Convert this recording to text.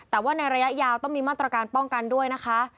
แต่ว่าในระยะยาวต้องมีมาตรการป้องกันด้วยนะคะ